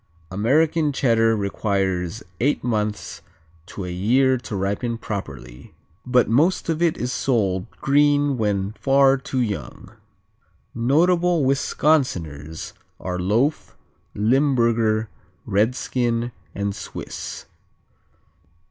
American Cheddar requires from eight months to a year to ripen properly, but most of it is sold green when far too young. Notable Wisconsiners are Loaf, Limburger, Redskin and Swiss.